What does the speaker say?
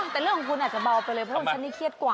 แต่เรื่องของคุณอาจจะเบาไปเลยเพราะว่าฉันนี่เครียดกว่า